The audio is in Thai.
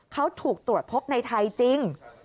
เขาถูกตรวจพบในไทยจริง